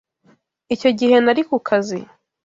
Icyo gihe nari ku kazi.